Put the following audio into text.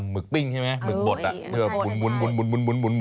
หมึกปลิ้งใช่ไหมหมึกบดเฉพาะมุน